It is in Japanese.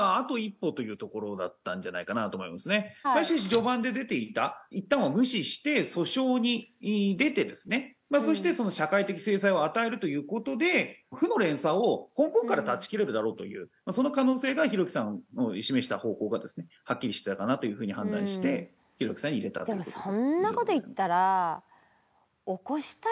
序盤で出ていたいったんは無視して訴訟に出てですねそして社会的制裁を与えるという事で負の連鎖を根本から断ち切れるだろうというその可能性がひろゆきさんの示した方法がですねはっきりしていたかなというふうに判断してひろゆきさんに入れたという事ですね。